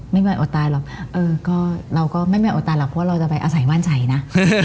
ไม่มีแวนอดตาหรอกเออก็เราก็ไม่มีแวนอดตาหรอกเพราะว่าเราจะไปอาศัยว่านฉัยน่ะ